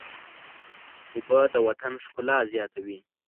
اوبه د وطن ښکلا زیاتوي.